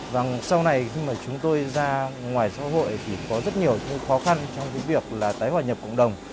và sau này khi chúng tôi ra ngoài xã hội thì có rất nhiều khó khăn trong việc tái hòa nhập cộng đồng